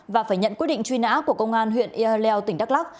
và phải nhận quyết định truy nã của công an huyện ia leo tỉnh đắk lắc